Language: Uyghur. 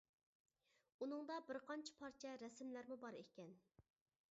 ئۇنىڭدا بىر قانچە پارچە رەسىملەرمۇ بار ئىكەن.